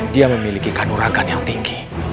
dia memiliki kanurakan yang tinggi